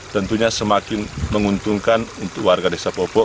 tentunya semakin menguntungkan untuk warga desa popok